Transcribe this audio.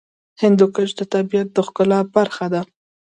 هندوکش د طبیعت د ښکلا برخه ده.